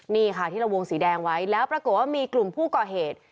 นี่ค่ะที่เราวงสีแดงไว้แล้วปรากฏว่ามีกลุ่มผู้ก่อเหตุ